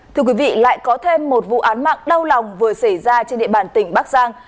thưa quý vị lại có thêm một vụ án mạng đau lòng vừa xảy ra trên địa bàn tỉnh bắc giang